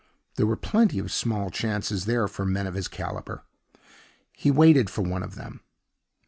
There were plenty of small chances there for men of his caliber. He waited for one of them.